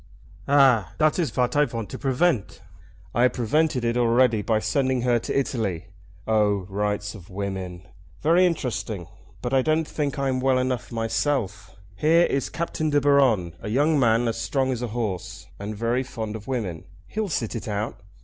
"Ah! dat is vat I vant to prevent." "I have prevented it already by sending her to Italy. Oh, rights of women! Very interesting; but I don't think I'm well enough myself. Here is Captain De Baron, a young man as strong as a horse, and very fond of women. He'll sit it out."